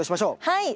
はい！